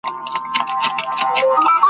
نه په خوله کي یې لرل تېره غاښونه !.